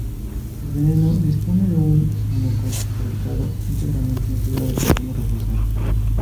El Veneno dispone de un monocasco fabricado íntegramente en fibra de carbono reforzado.